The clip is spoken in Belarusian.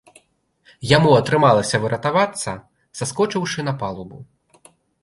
Яму атрымалася выратавацца, саскочыўшы на палубу.